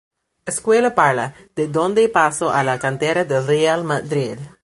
Escuela Parla, de donde paso a la cantera del Real Madrid.